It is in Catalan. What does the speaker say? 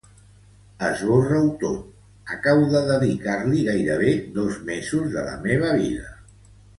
Esborra-ho tot, acabo de dedicar-li gairebé dos mesos de la meva vida.